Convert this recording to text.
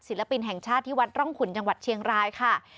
ปินแห่งชาติที่วัดร่องขุนจังหวัดเชียงรายค่ะ